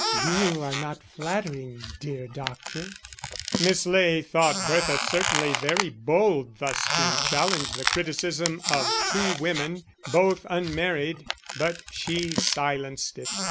You are not flattering, dear doctor." Miss Ley thought Bertha certainly very bold thus to challenge the criticism of two women, both unmarried; but she silenced it.